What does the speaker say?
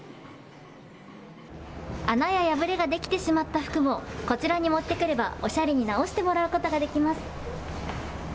穴や破れができてしまった服もこちらに持ってくればおしゃれに直してもらうことができます。